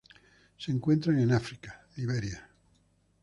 Se encuentran en África: Liberia.